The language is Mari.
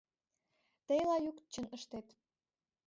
— Тый, Лаюк, чын ыштет.